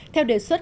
theo đề xuất